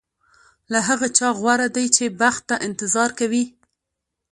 له هغه چا غوره دی چې بخت ته انتظار کوي.